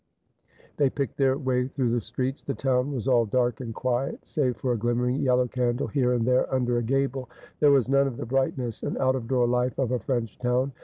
They picked their way through the streets. The town was all dark and quiet, save for a glimmering yellow candle here and there under a gable ; there was none of the brightness and out of door life of a French town.